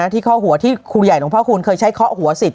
ที่เคาะหัวที่ครูใหญ่หลวงพ่อคูณเคยใช้เคาะหัวสิทธิ์